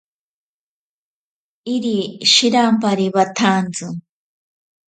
Iri shirampari watsanti.